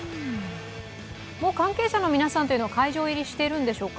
関係者の皆さんは会場入りしているんでしょうか？